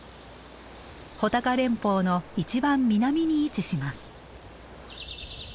穂高連峰の一番南に位置します。